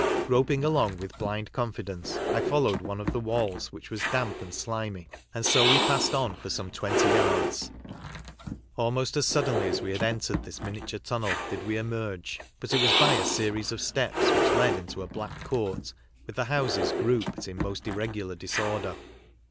Groping along with blind confidence, I followed one of the walls, which was damp and slimy, and 83 we passed on for some twenty yards. Almost as suddenly as we had entered this miniature tunnel did we emerge, but it was by a series of steps which led into a back court, with the houses grouped in most irregular disorder.